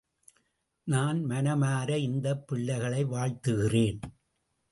நான் மனமார இந்தப் பிள்ளைகளை வாழ்த்துகிறேன்.